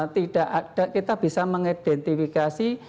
tidak ada kita bisa mengidentifikasi